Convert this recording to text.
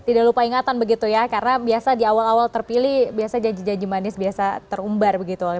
tidak lupa ingatan begitu ya karena biasa di awal awal terpilih biasa janji janji manis biasa terumbar begitu